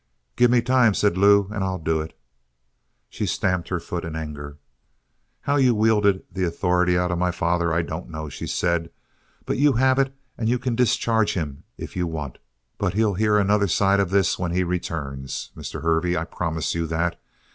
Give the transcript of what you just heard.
"Gimme time," said Lew, "and I'll do it." She stamped her foot in anger. "How you wheedled the authority out of my father, I don't know," she said. "But you have it and you can discharge him if you want. But he'll hear another side to this when he returns, Mr. Hervey, I promise you that!"